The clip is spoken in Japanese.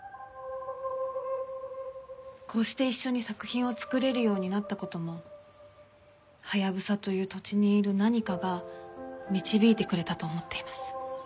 こうして一緒に作品を作れるようになった事もハヤブサという土地にいる何かが導いてくれたと思っています。